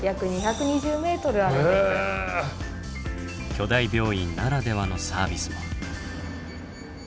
巨大病院ならではのサービスも。